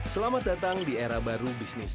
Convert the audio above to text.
selamat datang di era baru bisnis